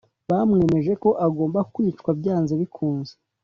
bamwemeje ko agomba kwicwa byanze bikunze